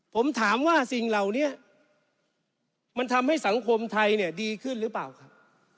ผมถามว่าสิ่งเหล่านี้มันทำให้สังคมไทยเนี่ยดีขึ้นหรือเปล่าครับ